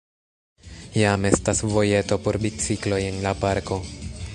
Jam estas vojeto por bicikloj en la parko.